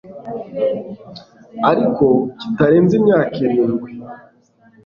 ariko kitarenze imyaka irindwi